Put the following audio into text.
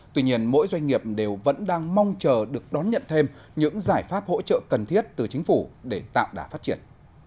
tuy nhiên mỗi doanh nghiệp đều vẫn đang mong chờ được đón nhận thêm những giải pháp hỗ trợ cần thiết từ chính phủ để tạo đá phát triển